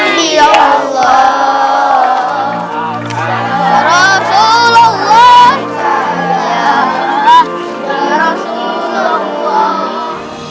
assalamu'alaika ya rasulullah